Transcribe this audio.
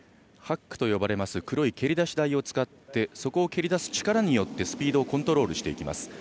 ハックと呼ばれます黒い蹴り出し台を使ってそこを蹴り出す力によってスピードをコントロールしていきます。